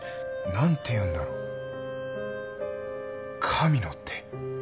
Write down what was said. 何ていうんだろう神の手。